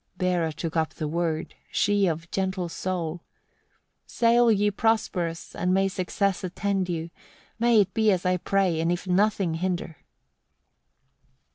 32. Bera took up the word, she of gentle soul: "Sail ye prosperous, and may success attend you: may it be as I pray, and if nothing hinder!"